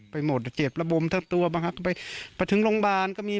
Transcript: หมดเจ็บระบมทั้งตัวบางครั้งก็ไปไปถึงโรงพยาบาลก็มี